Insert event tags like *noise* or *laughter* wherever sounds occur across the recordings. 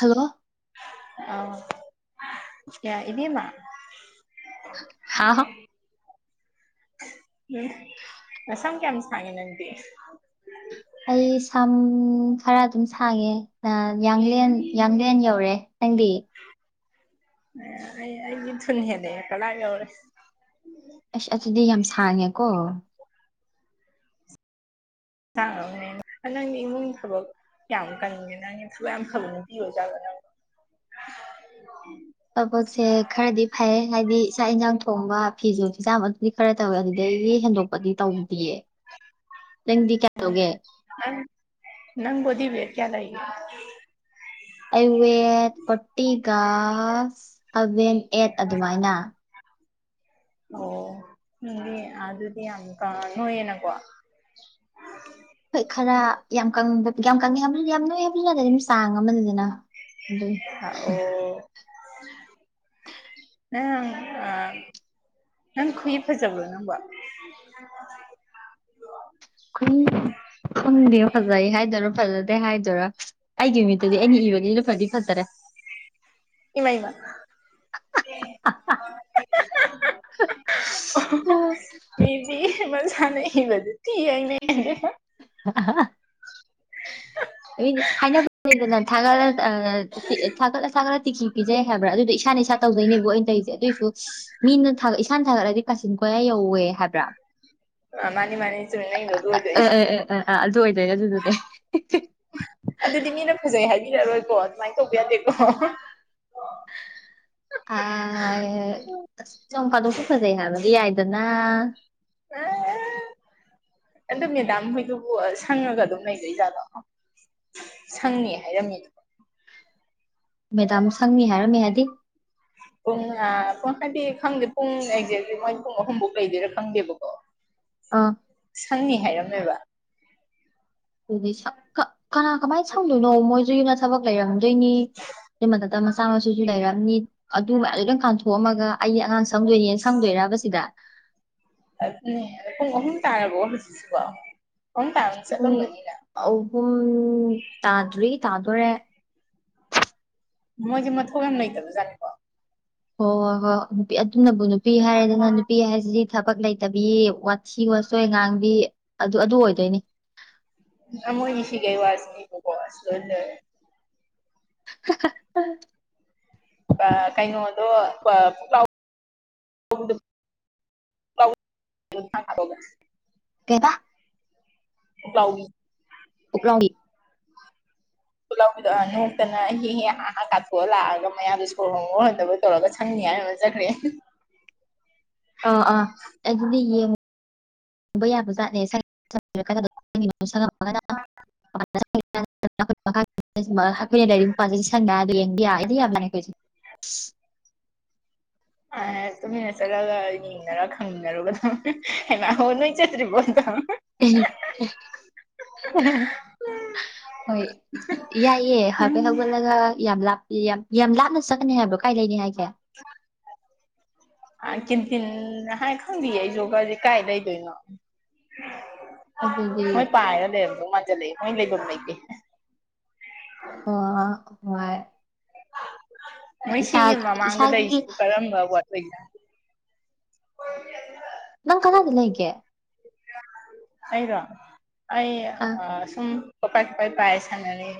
hello ꯑ ꯏꯕꯦꯝꯃ *unintelligible* ꯍꯥꯎ ꯎꯝ ꯅꯁꯝ ꯀꯌꯥꯝ ꯁꯥꯡꯉꯤ ꯅꯪꯗꯤ ꯑꯩ ꯁꯝ ꯈꯔ ꯑꯗꯨꯝ ꯁꯥꯡꯉꯦ ꯑ ꯌꯥꯡꯂꯦꯟ ꯌꯥꯡꯂꯦꯟ ꯌꯧꯔꯦ ꯅꯪꯗꯤ ꯑꯩꯒꯤ ꯊꯅ ꯍꯦ ꯀꯂꯒꯎ꯭ꯔꯦ ꯑꯁ ꯑꯗꯨꯗꯤ ꯌꯥꯝ ꯁꯥꯡꯉꯦꯀꯣ ꯍꯆꯥꯡ ꯑꯃꯅꯦꯅ ꯅꯪꯗꯤ ꯏꯃꯨꯡ ꯊꯕꯛ ꯌꯥꯝ ꯀꯟꯉꯦ ꯅꯪꯒꯤ ꯊꯕꯛ ꯌꯥꯝ ꯐꯕꯅ ꯄꯤꯕꯖꯥꯕ ꯅꯪ ꯊꯕꯛꯁꯦ ꯈꯔꯗꯤ ꯐꯩ ꯍꯥꯏꯗꯤ ꯆꯥꯛ ꯏꯟꯁꯥꯡ ꯊꯣꯡꯕ ꯐꯤꯁꯨ ꯐꯤꯖꯥꯝ ꯑꯗꯨ ꯈꯔ ꯇꯧꯋꯦ ꯑꯗꯨꯗꯩꯗꯤ ꯍꯦꯟꯗꯣꯛꯄꯗꯤ ꯇꯧꯗꯌꯦ ꯅꯪꯗꯤ ꯀꯩꯗꯧꯒꯦ ꯅꯪ ꯅꯪꯒꯗꯤꯕꯤꯦ ꯀꯌꯥꯗ ꯑꯩ ꯑꯩꯋꯦꯠ ꯐꯣꯔꯇꯤꯒꯥꯁ ꯁꯚꯦꯟ ꯑꯩꯠ ꯑꯗꯨꯃꯥꯏꯅ ꯑꯣꯗꯤ ꯑꯗꯨꯗꯤ ꯑꯃꯀ ꯅꯣꯏꯦꯅꯀꯣ ꯑꯩꯣꯏ ꯈꯔ ꯌꯥꯝ ꯌꯥꯝ ꯀꯪꯉꯦ ꯌꯥꯝ ꯅꯣꯏ ꯍꯥꯏꯕꯁꯨ ꯑꯗꯨꯝ ꯆꯥꯡ ꯑꯃꯗꯅ ꯑꯗꯨ ꯑꯣ ꯑ ꯑ ꯅꯪ ꯈꯨꯏꯍꯤ ꯐꯖꯥꯒ ꯅ ꯍꯕ ꯈꯪꯗꯦ ꯐꯖꯩ ꯍꯥꯏꯗꯣꯏꯔꯥ ꯐꯖꯗꯦ ꯍꯥꯏꯗꯔꯥ ꯑꯩꯒꯤ ꯅꯨꯃꯤꯠꯇꯨꯗꯤ ꯑꯩꯅ ꯏꯕꯒꯤꯅꯤ ꯂ ꯐꯗꯤ ꯐꯖꯔꯦ ꯏꯃꯩꯃ ꯑ ꯃꯤꯗꯤ ꯃꯖꯥ ꯅꯗꯨ ꯊꯤ ꯑ ꯑ ꯍꯥ ꯍꯅ ꯅ ꯁꯔꯒ ꯁꯒ ꯇꯤꯛꯀꯤ ꯄꯤꯖꯩ ꯍꯥꯏꯕ꯭ꯔꯥ ꯑꯗꯨꯗꯣ ꯏꯁꯥꯅ ꯏꯁꯥ ꯇꯧꯗꯣꯏꯅꯦꯕꯕꯨ ꯑꯩꯅ ꯇꯔꯤꯁꯦ ꯑꯗꯨꯑꯣꯏꯁꯨ ꯃꯤꯅ ꯊꯒꯠ ꯏꯁꯥꯅ ꯊꯥꯒꯠꯂꯗꯤ ꯀꯥꯆꯤꯟ ꯀꯣꯏꯌꯥ ꯌꯧꯋꯦ ꯍꯥꯏꯕ꯭ꯔꯥ ꯑ ꯃꯥꯅꯤ ꯃꯥꯅꯤ ꯆꯨꯝꯃꯤ ꯅꯪꯒꯤꯗꯣ ꯑꯗꯨ ꯑ ꯑꯣꯏꯗꯣꯏꯅꯤ ꯑꯥ ꯑꯗꯨ ꯑꯣꯏꯗꯣꯏꯅꯦ ꯑꯗꯨꯗꯨꯅꯦ ꯑꯗꯨꯗꯤ ꯃꯤꯅ ꯐꯖꯩ ꯍꯥꯏꯕꯤꯔꯛꯔꯣꯏꯀꯣ ꯑꯗꯨꯃꯥꯏꯅ ꯇꯧꯕ ꯌꯥꯗꯦꯀꯣ ꯑ ꯑꯁ ꯅꯣꯡ ꯐꯥꯗꯁꯨ ꯐꯖꯩ ꯍꯥꯏꯅꯗꯤ ꯌꯥꯏꯗꯅ *inaudible* ꯑꯗꯨꯣ ꯃꯦꯗꯥꯝ ꯍꯣꯏꯗꯨꯕꯨ ꯁꯪꯉꯒ ꯑꯗꯨꯝ ꯂꯩꯗꯣꯏ ꯖꯥꯠꯂꯣ ꯁꯪꯅꯤ ꯍꯥꯏꯔꯝꯃꯤꯅꯦ ꯃꯦꯗꯥꯝ ꯁꯪꯅꯤ ꯍꯥꯏꯔꯝꯃꯦ ꯍꯥꯏꯗꯤ ꯄꯨꯡ ꯄꯨꯡ ꯍꯥꯏꯗꯤ ꯈꯪꯗꯦ ꯄꯨꯡ ꯑꯦꯛꯖꯦꯛꯂꯤ ꯃꯣꯏ ꯄꯨꯡ ꯑꯍꯨꯝꯐꯧ ꯂꯩꯗꯣꯏꯔꯥ ꯈꯪꯗꯦꯕꯀꯣ ꯑꯥ ꯁꯪꯅꯤ ꯍꯥꯏꯔꯝꯃꯦꯕ ꯑꯗꯨꯗꯤ ꯀꯅꯥ ꯀꯃꯥꯏꯅ ꯁꯪꯗꯣꯏꯅꯣ ꯃꯣꯏꯁꯨ ꯌꯅ ꯊꯕꯛ ꯂꯩꯔꯝꯗꯣꯏꯅꯤ ꯑꯗꯨꯃ ꯅ ꯃꯆꯥ ꯃꯁꯨ ꯂꯩꯔꯝꯅꯤ ꯑꯗꯨ ꯃꯌꯥꯝꯁꯨ ꯂꯣꯏ ꯀꯥꯝꯊꯣꯛꯑꯝꯃꯒ ꯑꯩ ꯑꯉꯥꯡ ꯁꯪꯗꯣꯏꯅꯦꯅ ꯁꯪꯗꯣꯏꯔꯕꯁꯤꯗ ꯑꯗꯨꯅꯦ ꯑꯗꯣ ꯄꯨꯡ ꯑꯍꯨꯝ ꯇꯥꯔꯕꯣ ꯍꯧꯖꯤꯛꯁꯤꯀꯣ ꯑꯍꯨꯝ ꯇꯥꯔ ꯄꯨꯡ ꯆꯠꯂꯝꯕꯅꯤꯅ ꯑꯍꯨꯝ ꯇꯥꯗ꯭ꯔꯤ ꯇꯥꯗꯣꯔꯦ ꯃꯣꯏꯁꯦ ꯃꯊꯣꯛ ꯌꯥꯝ ꯂꯩꯇꯕꯖꯥꯠꯅꯤꯀꯣ ꯍꯣꯏ ꯍꯣꯏ ꯍꯣꯏ ꯅꯨꯄꯤ ꯑꯗꯨꯅꯕꯨ ꯅꯨꯄꯤ ꯍꯥꯏꯔꯗꯅ ꯅꯨꯄꯤ ꯍꯥꯏꯁꯤꯗꯤ ꯊꯕꯛ ꯂꯩꯇꯕꯤ ꯋꯥꯠꯁꯤ ꯋꯥꯠꯁꯤ ꯑꯣꯏꯉꯥꯡꯕꯤ ꯑꯗꯨ ꯑꯗꯨ ꯑꯣꯏꯗꯣꯏꯅꯤ ꯃꯣꯢꯒꯤ *unintelligible* ꯑꯁ ꯂꯣꯢꯔꯦ ꯂꯣꯢꯔꯦ *unintelligible* ꯑꯥ ꯀꯩꯅꯣ ꯑꯗꯣ *unintelligible* ꯊꯒ *unintelligible* ꯀꯩꯕ ꯄꯨꯛꯂꯥꯎꯕꯤ ꯄꯨꯛꯂꯥꯎꯕꯤ *unintelligible* ꯅꯣꯛꯇꯅ *unintelligible* ꯀꯥꯞꯊꯣꯛꯑ ꯂꯥꯛꯑꯒ ꯃꯌꯥꯗ ꯁꯣꯔ ꯍꯣꯡꯕꯣꯢ ꯍꯣꯟꯗꯕꯣꯢ ꯇꯧꯔꯒ ꯁꯪꯅꯤ ꯍꯥꯏꯔꯝꯃꯒ ꯆꯠꯈ꯭ꯔꯦ ꯑꯥ ꯑꯥ ꯑꯗꯨꯅꯦ ꯌꯦꯡ ꯌꯦꯡꯕ ꯌꯥꯕꯖꯠꯅꯤ *unintelligible* *unintelligible* *inaudible* *unintelligible* ꯑꯩꯈꯣꯏꯅ ꯂꯩꯔꯤꯕ ꯃꯦ ꯁꯝꯅ ꯍꯥꯏꯗꯣ ꯌꯦꯡꯕ ꯌꯥꯔꯗꯤ ꯌꯥꯝ *unintelligible* ꯐ *inaudible* ꯑꯥ ꯇꯨꯃꯤꯟꯅ ꯆꯠꯂꯒ ꯌꯦꯡꯅꯔ ꯈꯪꯃꯤꯟꯅꯔꯨꯕꯗꯣ ꯍꯩꯃꯥ ꯍꯣ ꯅꯣꯏ ꯆꯠꯇ꯭ꯔꯤꯕꯣ ꯇꯧꯔꯒ ꯎꯝ *unintelligible* ꯍꯣꯏ ꯌꯥꯏꯌꯦ ꯍꯥꯏꯐꯦꯠ ꯍꯧꯒꯠꯂꯒ ꯌꯥꯝ ꯂꯥꯞꯄꯤ ꯌꯥꯝ ꯌꯥꯝ ꯂꯥꯞꯅ ꯆꯠꯀꯅꯤ ꯍꯥꯏꯕ ꯀꯥꯏ ꯂꯩꯅꯤ ꯍꯥꯢꯒꯦ ꯀꯦꯟꯇꯤꯟ ꯍꯥꯏ ꯈꯪꯗꯤꯌꯦ ꯑꯩꯖꯨ ꯀꯥꯏ ꯂꯩꯗꯣꯏꯅꯣ ꯑꯗꯨꯗꯤ ꯃꯣꯏ ꯄꯥꯏꯔꯒ ꯂꯩꯔꯝꯗꯧ ꯃꯥꯟꯖꯟꯂꯛꯂꯦ ꯃꯣꯏ ꯂꯩꯐꯝ ꯂꯩꯩꯇꯦ ꯑꯣ ꯍꯣꯏ ꯃꯣꯏ ꯏꯁꯥ ꯁꯤꯒꯤ ꯃꯃꯥꯡꯗ ꯏꯁꯥꯒꯤ ꯂꯩꯔꯤꯁꯤꯕꯨ ꯀꯔꯝꯕ ꯋꯥꯠ ꯑꯣꯏ ꯂꯤꯖꯠꯅꯣ ꯅꯪ ꯀꯗꯥꯏꯗ ꯂꯩꯒꯦ ꯑꯩꯔꯣ ꯑꯩ ꯑꯥ ꯁꯨꯝ ꯀꯣꯄꯥꯏ ꯀꯣꯄꯥꯏ ꯄꯥꯏ ꯁꯥꯟꯅꯔ ꯂꯩ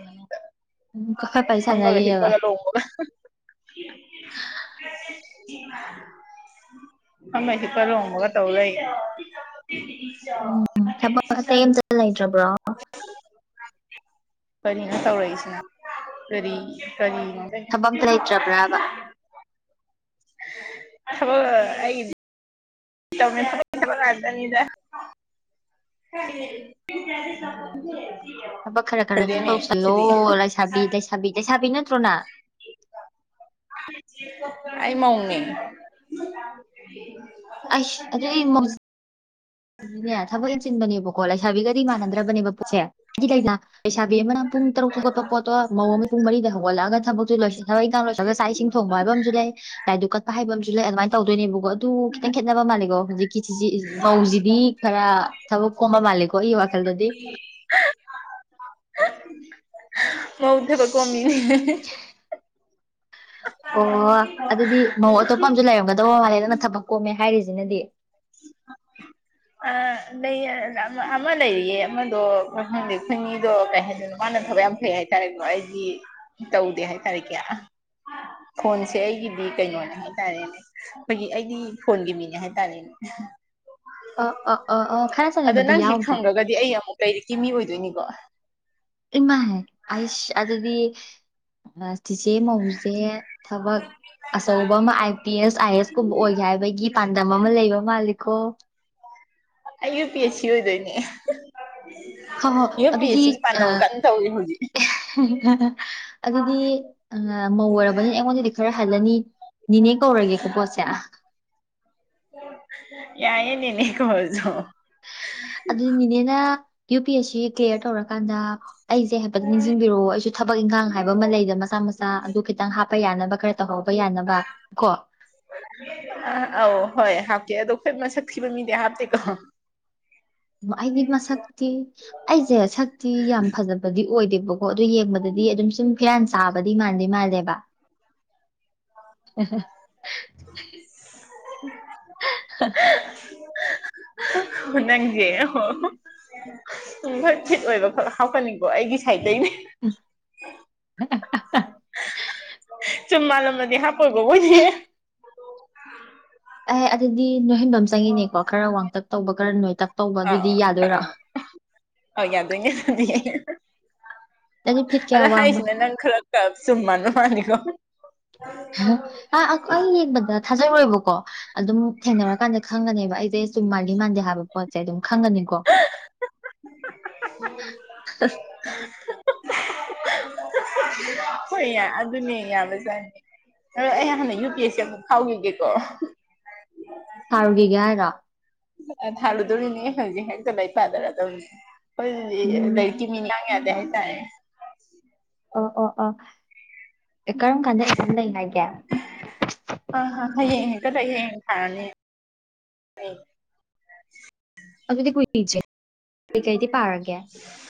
ꯀꯐꯥꯏ ꯄꯥꯏ ꯐꯝꯕꯒ ꯁꯥꯟꯅꯔꯤꯑꯕ ꯍꯤꯞꯄꯒ ꯂꯣꯡꯕꯒ *unintelligible* ꯐꯝꯕꯒ ꯍꯤꯞꯄꯒ ꯂꯣꯡꯕꯒ ꯇꯧ ꯂꯩ ꯎꯝ ꯊꯕꯛ ꯑꯇꯩ ꯑꯃꯇ ꯂꯩꯇ꯭ꯔꯕ꯭ꯔꯣ ꯎ *inaudible* ꯀꯔꯤꯅꯣ ꯇꯧꯔꯛꯏꯁꯤꯅ ꯀꯔꯤ ꯀꯔꯤꯅꯣ ꯀ ꯊꯕꯛ ꯑꯝꯇ ꯂꯩꯇ꯭ꯔꯕ꯭ꯔꯕ ꯊꯕꯛ ꯑꯩ ꯊꯕꯛꯀꯤ ꯊꯕꯛ ꯉꯥꯛꯇꯅꯤꯗ ꯀꯔꯤ ꯊꯕꯛ ꯈꯔ ꯐꯖꯔꯦꯅꯦ ꯁꯤꯗꯤ ꯁꯕꯤ ꯂꯩꯁꯥꯕꯤ ꯅꯠꯇ꯭ꯔꯣ ꯅꯪ ꯑꯩ ꯃꯧꯅꯦ *unintelligible* ꯁꯤꯅꯦ ꯊꯕꯛ ꯌꯥꯝ ꯆꯤꯟꯕꯅꯦꯕꯀꯣ ꯂꯩꯁꯥꯕꯤꯒꯗꯤ ꯃꯥꯟꯅꯗ꯭ꯔꯕꯅꯦꯕ ꯄꯣꯠꯁꯦ ꯂꯩꯗꯅ ꯂꯩꯁꯥꯕꯤ ꯑꯃꯅ ꯄꯨꯡ ꯇꯔꯨꯛꯇ ꯍꯧꯒꯠꯄ ꯄꯣꯠꯇꯣ ꯃꯧ ꯑꯃꯅ ꯄꯨꯡ ꯃꯔꯤꯗ ꯍꯧꯒꯠꯂꯒ ꯊꯕꯛꯇꯨ ꯂꯣꯏꯁꯟꯂꯛꯑꯒ ꯊꯕꯛ ꯢꯟꯈꯥꯡ ꯂꯣꯏꯁꯤꯜꯂꯒ ꯆꯥꯛ ꯏꯁꯤꯡ ꯊꯣꯡꯕ ꯍꯥꯏꯕ ꯑꯃꯁꯨ ꯂꯩ ꯂꯥꯏꯗꯨꯛ ꯀꯠꯄ ꯍꯥꯏꯕ ꯑꯃꯁꯨ ꯁꯨ ꯂꯩ ꯑꯗꯨꯃꯥꯏꯅ ꯇꯧꯗꯣꯏꯅꯦꯕꯀꯣ ꯑꯗꯨ ꯈꯤꯇꯪ ꯈꯦꯠꯅꯕ ꯃꯥꯂꯦꯀꯣ ꯍꯧꯖꯤꯛꯀꯤ ꯆꯦꯆꯦ ꯃꯧ ꯃꯤ ꯈꯔ ꯊꯕꯛ ꯀꯣꯝꯕ ꯃꯥꯜꯂꯦꯀꯣ ꯑꯩꯒꯤ ꯋꯥꯈꯜꯗꯗꯤ ꯃꯧ ꯊꯕꯛ ꯀꯣꯝꯃꯤ ꯍꯦ ꯍꯦ ꯑꯣ ꯑꯗꯨꯗꯤ ꯃꯧ ꯑꯇꯣꯞꯄ ꯑꯝꯁꯨ ꯂꯩꯔꯝꯒꯗꯧꯕ ꯃꯥꯜꯂꯤ ꯑꯗꯨꯅ ꯊꯕꯛ ꯀꯣꯝꯃꯦ ꯍꯥꯏꯔꯤꯁꯤꯅꯗꯤ ꯑ ꯂꯩ ꯑꯃꯥ ꯂꯩꯔꯤꯌꯦ ꯑꯝ ꯗꯣ ꯀꯩꯍꯥꯏꯅꯤ ꯈꯣꯏꯅꯤꯗꯣ ꯀꯩ ꯍꯥꯏꯗꯣꯏꯅꯣ ꯃꯥꯅ ꯊꯕꯛ ꯌꯥꯝ ꯗꯨꯝꯂꯩ ꯍꯥꯏꯇꯥꯔꯦꯀꯣ ꯑꯩꯗꯤ ꯇꯧꯗꯦ ꯍꯥꯏꯇꯥꯔꯦ ꯀꯦꯌꯥ ꯐꯣꯟꯁꯦ ꯑꯩꯒꯤ ꯗꯤ ꯀꯩꯅꯣꯅꯦ ꯍꯥꯏ ꯇꯔꯦꯅꯦ ꯑꯩꯈꯣꯏꯒꯤ ꯑꯩꯗꯤ ꯐꯣꯟꯒꯤ ꯃꯤꯅꯦ ꯍꯥꯏꯇꯥꯔꯦꯅꯦ ꯑ ꯑ ꯑꯥ ꯑꯥ ꯈꯔ ꯆꯥꯟꯅꯕꯗꯤ ꯌꯥꯎꯗ꯭ꯔꯣ ꯗꯤ ꯑꯩ ꯑꯃꯨꯛ ꯂꯩꯔꯤꯛꯀꯤ ꯃꯤ ꯑꯣꯏꯗꯣꯏꯅꯤꯀꯣ ꯏꯃꯍꯥꯏ ꯑꯩꯁ ꯑꯗꯨꯗꯤ ꯆꯤꯆꯦ ꯃꯧꯁꯦ ꯊꯕꯛ ꯑꯆꯧꯕ ꯑꯃ I P S I A S ꯀꯨꯝꯕ ꯑꯣꯏꯒꯦ ꯍꯥꯏꯕꯒꯤ ꯄꯥꯟꯗꯝ ꯑꯃ ꯂꯩꯕ ꯃꯥꯜꯂꯤꯀꯣ ꯑꯩ ꯌꯨ ꯄꯤ ꯑꯦꯁ ꯁꯤ ꯑꯣꯏꯗꯣꯏꯅꯦ ꯍꯣꯏ ꯍꯣꯏ ꯌꯨ ꯄꯤ ꯑꯗꯨꯗꯤ ꯑꯦꯁ ꯁꯤꯒꯤ ꯑ ꯄꯥꯟꯗꯝ ꯀꯟꯅ ꯇꯧꯔꯤ ꯍꯧꯖꯤꯛ ꯑꯗꯨꯗꯤ ꯃꯧ ꯑꯣꯏꯔꯕꯅꯤ ꯑꯩꯉꯣꯟꯗꯗꯤ ꯈꯔ ꯍꯜꯂꯅꯤ ꯅꯤꯅꯦ ꯀꯧꯔꯒꯦꯀꯣ ꯄꯣꯠꯁꯦ ꯌꯥꯏꯌꯦ ꯅꯤꯅꯦ ꯀꯧꯔꯁꯨ ꯑꯗꯨꯗꯤ ꯅꯤꯅꯦꯅ U P S C clear ꯇꯧꯔꯀꯥꯟꯗ ꯑꯩꯖꯦ ꯍꯥꯏꯐꯦꯠ ꯅꯤꯡꯖꯤꯡꯕꯤꯔꯛꯑꯣ ꯑꯩꯖꯨ ꯊꯕꯛ ꯏꯪꯒꯥꯡ ꯍꯥꯏꯕ ꯑꯃ ꯂꯩꯗ ꯃꯆꯥ ꯃꯆꯥ ꯑꯗꯨ ꯈꯤꯇꯪ ꯍꯥꯞꯄ ꯌꯥꯅꯕ ꯈꯔ ꯇꯧꯍꯧꯕ ꯌꯥꯅꯕ ꯀꯣ ꯑ ꯑꯧ ꯍꯣꯏ ꯍꯥꯞꯀꯦ ꯑꯗꯣ ꯑꯈꯣꯏ ꯃꯁꯛ ꯊꯤꯕ ꯃꯤꯗꯤ ꯍꯥꯞꯇꯦꯀꯣ ꯃ ꯑꯩꯗꯤ ꯃꯁꯛ ꯊꯤ ꯑꯩꯖꯦ ꯁꯛꯇꯤ ꯌꯥꯝ ꯐꯖꯕꯗꯤ ꯑꯣꯏꯗꯦꯕꯀꯣ ꯑꯗꯨ ꯌꯦꯡꯕꯗꯗꯤ ꯑꯗꯨꯝ ꯆꯨꯝ ꯐꯤꯔꯥꯟ ꯆꯥꯕꯗꯤ ꯃꯥꯟꯗꯤ ꯃꯥꯜꯂꯦꯕ ꯅꯪꯖꯦ ꯑꯣꯍꯣ ꯍꯣ ꯁꯨꯝ ꯍꯣꯏ ꯐꯤꯠ ꯑꯣꯏꯕ ꯈꯛ ꯍꯥꯞꯀꯅꯤꯀꯣ ꯑꯩꯒꯤ ꯁꯥꯏꯗꯇꯩꯗꯤ *inaudible* ꯆꯨꯝ ꯃꯥꯜꯂꯝꯃꯗꯤ ꯍꯥꯞꯄꯣꯏꯀꯣ ꯑꯣꯏꯗꯤ ꯑꯦ ꯑꯗꯨꯗꯤ ꯅꯣꯏꯍꯟꯕꯝ ꯆꯪꯉꯤꯅꯦꯀꯣ ꯈꯔ ꯋꯥꯡꯇꯛ ꯇꯧꯕ ꯈꯔ ꯅꯣꯏꯇꯛ ꯇꯧꯕ ꯑꯗꯨꯗꯤ ꯑꯥ ꯌꯥꯗꯣꯏꯔꯣ ꯑꯥ ꯑꯥ ꯌꯥꯗꯣꯏꯅꯤ ꯅꯪꯗꯤ ꯐꯤꯠ ꯀꯌꯥ ꯑꯗ ꯋꯥꯡꯕ ꯍꯥꯏꯔꯤꯁꯤꯅ ꯅꯪ ꯈꯔ ꯀꯞ ꯆꯨꯝ ꯃꯟꯕ ꯃꯥꯅꯤꯀꯣ ꯑ ꯑꯥꯎ ꯑꯩ ꯌꯦꯡꯕꯗ ꯊꯥꯖꯔꯣꯏꯕꯀꯣ ꯑꯗꯨꯝ ꯊꯦꯡꯅꯔꯀꯥꯟꯗ ꯈꯪꯉꯅꯦꯕ ꯑꯩꯖꯦ ꯆꯨꯝ ꯃꯥꯥꯜꯂꯤ ꯃꯥꯟꯗꯦ ꯍꯥꯏꯕ ꯄꯣꯠꯁꯦ ꯑꯗꯨꯝ ꯈꯪꯉꯅꯤꯀꯣ ꯍꯣꯏ ꯌꯥ ꯑ ꯑꯗꯨꯅꯦ ꯌꯥꯝꯕ ꯖꯥꯠꯅꯤ ꯑꯗ ꯑꯩ ꯍꯥꯟꯅ ꯌꯨ ꯄꯤ ꯑꯦꯁ ꯁꯤ ꯑꯃꯨꯛ ꯐꯥꯎꯒꯤꯒꯦꯀꯣ ꯊꯥꯔꯨꯈꯤꯒꯦ ꯍꯥꯏꯔꯣ ꯑ ꯊꯔꯨꯗꯧꯔꯤꯅꯤ ꯍꯧꯖꯤ ꯍꯦꯛꯇ ꯂꯥꯏ ꯄꯥꯗꯔꯗꯧꯅꯤ ꯈꯣꯏꯅꯥꯗꯤ ꯎꯝ ꯂꯥꯏꯔꯤꯛꯀꯤ ꯃꯤꯅꯤ ꯂꯥꯡ ꯌꯥꯗꯦ ꯍꯥꯏꯇꯥꯥꯏꯔꯦ ꯑꯣ ꯑꯣ ꯑꯣ ꯑꯦ, ꯀꯔꯝ ꯀꯥꯟꯗ ꯑꯦꯛꯖꯥꯝ ꯂꯩ ꯍꯥꯏꯒꯦ *inaudible* ꯑ ꯍ ꯍꯌꯦꯡ ꯍꯦꯛꯇꯥ ꯂꯩꯔꯤꯛ ꯌꯦꯡ ꯊꯔꯅꯤ ꯑꯗꯨꯗꯤ ꯀꯨꯏꯗꯔ꯭ꯦ ꯀꯩꯀꯩꯗꯤ ꯄꯥꯔꯒꯦ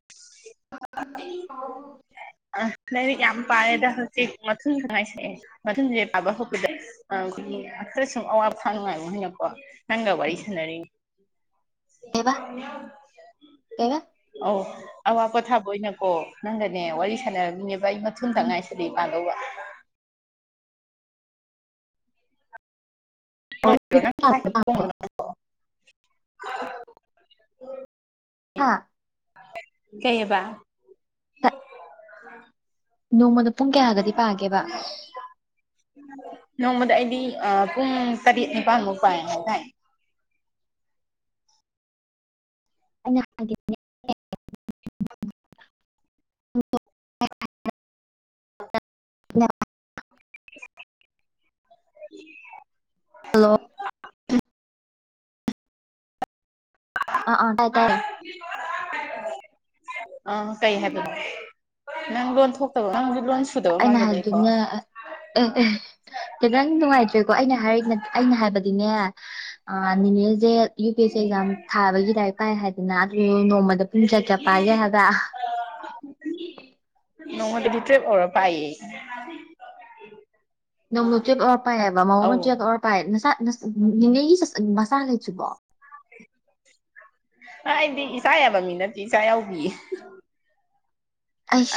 *inaudible* ꯑ ꯂꯥꯏꯔꯤꯛ ꯌꯥꯝ ꯄꯥꯔꯦꯗ ꯍꯧꯖꯤꯛ ꯃꯊꯨꯟ ꯈꯛ ꯉꯥꯏ ꯁꯤꯜꯂꯛꯑꯦ ꯃꯊꯨꯟꯖꯦ ꯄꯥꯕ ꯍꯧꯕꯗ ꯑ ꯑꯈꯣꯏꯒꯤ ꯈꯔ ꯁꯨꯝ ꯑꯋꯥꯕ ꯈꯥꯡ ꯉꯥꯏ *unintelligible* ꯀꯣ ꯅꯪꯒ ꯋꯥꯔꯤ ꯁꯥꯟꯅꯔꯤ *inaudible* *inaudible* ꯀꯩꯕ ꯑꯣ ꯑꯋꯥ ꯄꯣꯊꯥꯕ ꯑꯣꯏꯅꯀꯣ ꯅꯪꯒꯅꯦ ꯋꯥꯔꯤ ꯁꯥꯟꯅꯔꯅꯦꯕ ꯕꯩ ꯃꯊꯨꯟꯇ ꯎꯝ ꯉꯥꯏꯁꯤꯗꯤ ꯄꯥꯗꯧꯕ *inaudible* ꯂꯣꯏꯗ꯭ꯔꯣ ꯅꯪ ꯀꯥꯏꯗ ꯄꯣꯡꯕꯅꯣ ꯍꯥꯥ ꯀꯩꯑꯕ ꯅꯣꯡꯃꯗ ꯄꯨꯡ ꯀꯌꯥꯒꯗꯤ ꯄꯥꯒꯦꯕ ꯅꯣꯡꯃꯗ ꯑꯩꯗꯤ ꯑ ꯄꯨꯡ ꯇꯔꯦꯠ ꯅꯤꯄꯥꯜꯃꯨꯛ ꯄꯥꯏ ꯍꯥꯏꯇꯥꯥꯏ ꯑꯩꯅ ꯍꯥꯏꯗꯤꯅꯦ ꯅꯥ ꯍꯜꯂꯣ ꯑ ꯑ ꯇꯥꯏ ꯇꯥꯏ ꯑ ꯀꯩ ꯍꯥꯏꯕꯅꯣ ꯅꯪ ꯂꯣꯟ ꯊꯣꯛꯇꯕ ꯅꯪ ꯂꯣꯟꯁꯦ ꯑꯩꯅ ꯍꯥꯏꯗꯤꯅꯦ ꯑꯦ ꯑꯦ ꯀꯤ ꯅꯪ ꯅꯨꯡꯉꯥꯏꯇ꯭ꯔꯦꯀꯣ ꯑꯩꯅ ꯍꯥꯏꯅ ꯑꯩꯅ ꯍꯥꯏꯕꯗꯤꯅꯦ ꯑ ꯅꯤꯅꯦꯖꯦ ꯌꯨ ꯄꯤ ꯑꯦꯁ ꯁꯤ ꯎꯝ ꯑꯦꯛꯖꯥꯝ ꯊꯥꯕꯒꯤ ꯂꯥꯏꯔꯤꯛ ꯄꯥꯏ ꯍꯥꯏꯗꯅ ꯑꯗꯨ ꯅꯣꯡꯃꯗ ꯄꯨꯡ ꯀꯌꯥ ꯀꯌꯥ ꯄꯒꯦ ꯍꯥꯏꯕ ꯅꯣꯡꯃꯥꯗꯗꯤ ꯇꯨꯌꯦꯞ ꯑꯣꯋꯔ ꯄꯥꯏꯌꯦ ꯅꯧꯅꯨ ꯇꯨꯌꯦꯄ ꯑꯣꯔ ꯄꯌꯦꯕ ꯃꯧ ꯑꯃ ꯑꯧ ꯇꯨꯌꯦꯞ ꯑꯣꯔ ꯄꯥꯏ ꯅꯥꯆꯥ ꯅꯠ ꯅꯦꯅꯦꯒꯤ ꯆꯠ ꯃꯆꯥ ꯂꯩꯇ꯭ꯔꯤꯕꯣ ꯑ ꯑꯩꯗꯤ ꯏꯆꯥ ꯌꯥꯕ ꯃꯤ ꯅꯠꯇꯦ ꯏꯆꯥ ꯌꯥꯎꯗꯤꯌꯦ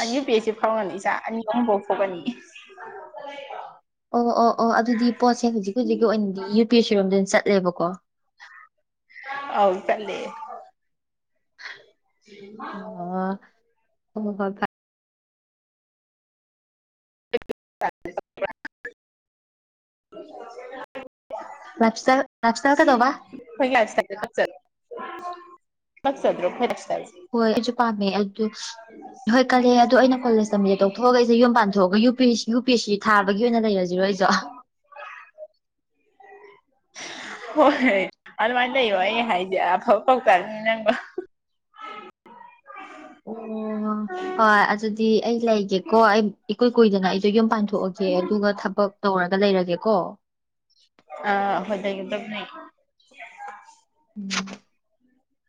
ꯑ ꯌꯨ ꯄꯤ ꯑꯦꯁ ꯁꯤ ꯐꯥꯎꯔꯅꯤ ꯑꯅꯤ ꯑꯍꯨꯝ ꯄꯣꯛꯊꯣꯛꯀꯅꯤ ꯑꯣ ꯑꯣ ꯑꯣ ꯑꯗꯨꯗꯤ ꯄꯣꯠꯁꯦ ꯍꯧꯖꯤꯛ ꯍꯧꯖꯤꯛꯀꯤ ꯑꯣꯏꯅꯗꯤ ꯌꯨ ꯄꯤ ꯑꯦ ꯁꯤ ꯔꯣꯝꯗ ꯑꯣꯏꯅ ꯆꯠꯂꯦꯕꯀꯣ ꯑꯥꯎ ꯆꯠꯂꯦ ꯑꯣ ꯍꯣ *unintelligible* *inaudible* ꯂꯥꯐꯏꯁꯇꯥꯟ ꯂꯥꯐꯏꯁꯇꯥꯟ ꯀꯩꯗꯧꯕ ꯑꯩꯈꯣꯏ ꯂꯏꯐ ꯏꯁꯇꯜꯖꯦ *inaudible* ꯀꯥꯂꯛꯆꯥꯗ꯭ꯔꯣ ꯑꯩꯈꯣꯏ ꯂꯏꯐ ꯏꯁꯇꯜꯒꯦ ꯍꯣꯏ ꯑꯩꯁꯨ ꯄꯥꯝꯃꯦ ꯑꯗꯨ ꯍꯣꯏ ꯀꯜꯂꯦ ꯑꯗꯣ ꯑꯩꯅ ꯀꯣꯂꯦꯖ ꯇꯝꯃꯤꯖꯦ ꯇꯣꯛꯊꯣꯛꯑꯒ ꯑꯩꯁꯦ ꯌꯨꯝ ꯄꯥꯟꯊꯣꯛꯑꯒ ꯌꯨꯝ ꯌꯨꯄꯦꯁꯤ ꯌꯨꯄꯦꯁꯤ ꯊꯥꯕꯒꯤ ꯑꯣꯏꯅ ꯂꯩꯔꯁꯤꯔꯣ ꯑꯩꯁꯨ ꯍꯣꯏ ꯑꯗꯨꯃꯥꯏꯅ ꯂꯩꯌꯣ ꯑꯩ ꯍꯥꯏꯖꯤ ꯑꯐꯕ ꯄꯥꯎꯇꯥꯛꯅꯤ ꯅꯪꯕꯣ ꯑꯣ ꯍꯣꯏ ꯑꯗꯨꯗꯤ ꯑꯩ ꯂꯩꯒꯦꯀꯣ ꯑꯩ ꯏꯀꯨꯏ ꯀꯨꯏꯗꯅ ꯑꯩꯁꯨ ꯌꯨꯝ ꯄꯥꯟꯊꯣꯛꯑꯒꯦ ꯑꯗꯨꯒ ꯊꯕꯛ ꯇꯧꯔꯒ ꯂꯩꯔꯒꯦꯀꯣ ꯑꯥ ꯐꯩꯈꯣꯏꯗ ꯌꯨꯗꯞꯅꯤ ꯎꯝ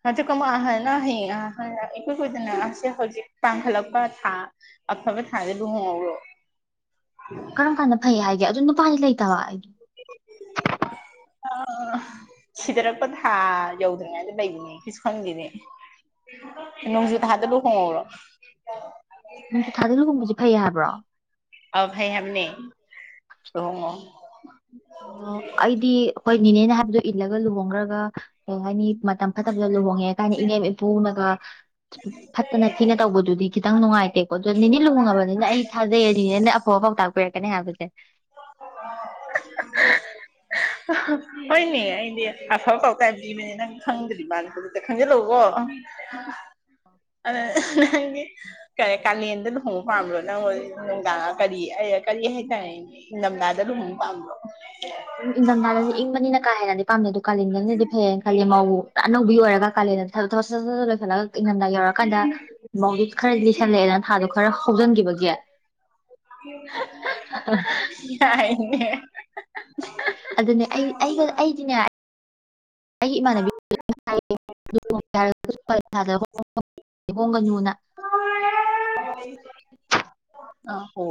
ꯑꯗꯨꯒꯨ ꯑꯍꯅ ꯅꯪ ꯍꯌꯦꯡ ꯑ ꯏꯀꯨꯏ ꯀꯨꯏꯗꯅ ꯑꯁꯦ ꯍꯧꯖꯤꯛ ꯄꯥꯡꯈꯠꯂꯛꯄ ꯊꯥ ꯑꯐꯕ ꯊꯥꯖꯦ ꯂꯨꯍꯣꯡꯍꯧꯔꯣ ꯀꯔꯝ ꯀꯥꯟꯗ ꯐꯩ ꯍꯥꯏꯒꯦ ꯑꯗꯨ ꯅꯨꯄꯥꯗꯤ ꯂꯩꯇꯕ ꯑꯩꯒꯤ ꯁꯤꯗꯔꯛꯄ ꯊꯥ ꯌꯧꯗ꯭ꯔꯤꯉꯩꯗ ꯂꯩꯕꯅꯦ ꯑꯩꯁꯨ ꯈꯪꯗꯦꯅꯦ ꯅꯣꯡꯖꯨ ꯊꯥꯗ ꯂꯨꯍꯣꯡꯍꯧꯔꯣ ꯅꯨꯡꯖꯨ ꯊꯥꯗ ꯂꯨꯍꯣꯡꯕꯁꯦ ꯐꯩꯌꯦ ꯍꯥꯏꯕ꯭ꯔꯣ ꯑꯥꯎ ꯐꯩ ꯍꯥꯏꯕꯅꯦ ꯂꯨꯍꯣꯡ ꯉꯣ ꯑꯣ ꯑꯩꯗꯤ ꯑꯩꯈꯣꯏ ꯅꯤꯅꯦꯅ ꯍꯥꯏꯕꯗꯣ ꯏꯜꯂꯒ ꯂꯨꯍꯣꯡꯈꯒ꯭ꯔꯒ ꯀꯩ ꯍꯥꯏꯅꯤ ꯃꯇꯝ ꯐꯠꯇꯕꯗ ꯂꯨꯍꯣꯡꯉꯦ ꯀꯥꯏꯅ ꯏꯅꯦꯝ ꯏꯀꯨ ꯅꯒ ꯐꯠꯇꯅ ꯊꯤꯅ ꯇꯧꯕꯗꯨꯗꯤ ꯈꯤꯇꯪ ꯅꯨꯡꯉꯥꯏꯇꯦꯀꯣ ꯑꯗꯣ ꯅꯤꯅꯦ ꯂꯨꯍꯣꯡꯉꯕꯅꯤꯅ ꯑꯩ ꯊꯥꯖꯩꯌꯦ ꯅꯤꯅꯦꯅ ꯑꯐꯕ ꯄꯥꯎꯇꯥꯛ ꯄꯤꯔꯛꯀꯅꯤ ꯍꯥꯏꯕꯁꯦ *inaudible* ꯑꯍꯥ ꯍꯣꯏꯅꯦ ꯑꯩꯗꯤ ꯑꯐꯕ ꯄꯥꯎꯇꯥꯛ ꯌꯥꯝ ꯄꯤꯕꯅꯦ ꯅꯪ ꯈꯪꯗ꯭ꯔꯤ ꯃꯥꯟꯂꯦ ꯍꯧꯖꯤꯛꯇꯤ ꯈꯪꯖꯤꯜꯂꯣꯀꯣ ꯅꯪꯗꯤ ꯀꯔꯤ ꯀꯥꯂꯦꯟꯗ ꯂꯨꯍꯣꯡꯕ ꯄꯥꯝꯕ꯭ꯔꯣ ꯅꯪꯉꯣꯟ ꯅꯨꯡꯗꯥꯡ ꯀꯔꯤ ꯑꯩ ꯀꯔꯤ ꯍꯥꯏꯇꯥꯔꯦꯅꯦ ꯏꯪꯗꯝꯗꯥꯥꯗ ꯂꯨꯍꯣꯡ ꯄꯥꯝꯕ꯭ꯔꯣ ꯏꯪꯊꯝꯊꯥꯗꯗꯤ ꯏꯪꯕꯅꯤꯅ ꯀꯥ ꯍꯦꯟꯅꯗꯤ ꯄꯥꯝꯗꯦ ꯑꯗꯣ ꯀꯥꯂꯦꯟꯗꯅꯗꯤ ꯐꯩꯌꯦꯅ ꯈꯜꯂꯦ ꯃꯧ ꯑꯅꯧꯕꯤ ꯑꯣꯏꯔꯒ ꯀꯥꯂꯦꯟꯗ ꯊ ꯊꯕꯛ ꯁꯠ ꯁꯠ ꯁꯠ ꯂꯣꯏꯁꯜꯂꯒ ꯏꯪꯗꯝꯗꯥ ꯌꯧꯔꯀꯥꯟꯗ ꯃꯧꯗꯤ ꯈꯔ ꯂꯤꯁꯜꯂꯛꯑꯦꯗꯅ ꯊꯥꯗꯣ ꯈꯔ ꯍꯧꯖꯤꯟꯈꯤꯕꯒꯤ *inaudible* ꯌꯥꯏꯅꯦ ꯑꯗꯨꯅꯦ ꯑꯩ ꯑꯩꯒ ꯑꯩꯗꯤꯅꯦ ꯑꯩꯒꯤ ꯏꯃꯥꯟꯅꯕꯤ *inaudible* ꯍꯣꯡꯒꯅꯨꯅ *unintelligible* ꯑꯥ ꯍꯣ